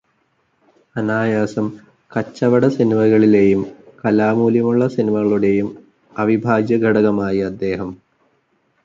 അനായാസം കച്ചവട സിനിമകളിലെയും കലാമൂല്യമുള്ള സിനിമകളുടെയും അവിഭാജ്യഘടകമായി അദ്ദേഹം.